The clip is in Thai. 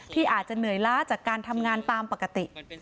ที่อาจจะเหนื่อยล้าจากการทำงานตามปกติ